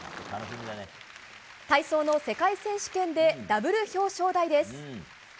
体操の世界選手権でダブル表彰台です。